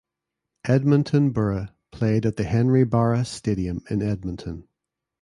Edmonton Borough played at the Henry Barrass Stadium in Edmonton.